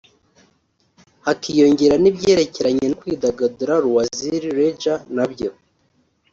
hakiyongeraho n’ibyerekeranye no kwidagadura (loisirs/ leisure) nabyo